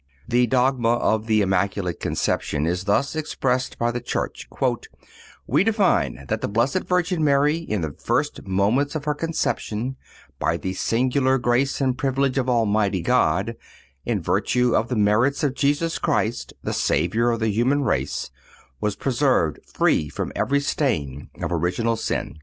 The dogma of the Immaculate Conception is thus expressed by the Church: "We define that the Blessed Virgin Mary in the first moment of her conception, by the singular grace and privilege of Almighty God, in virtue of the merits of Jesus Christ, the Savior of the human race, was preserved free from every stain of original sin."